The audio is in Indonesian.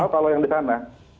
kalau yang di sana